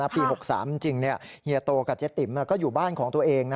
ปี๖๓จริงเฮียโตกับเจ๊ติ๋มก็อยู่บ้านของตัวเอง